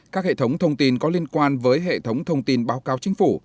các hệ thống thông tin có liên quan với hệ thống thông tin báo cáo chính phủ